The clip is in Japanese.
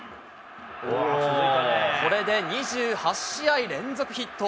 これで２８試合連続ヒット。